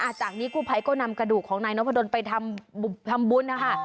จากนี้กู้ภัยก็นำกระดูกของนายนพดลไปทำบุญนะคะ